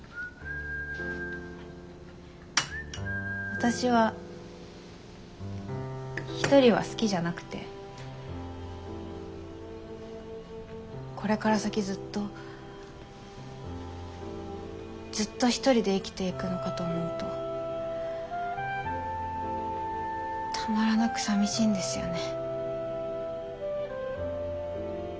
私は一人は好きじゃなくてこれから先ずっとずっと一人で生きていくのかと思うとたまらなく寂しいんですよね。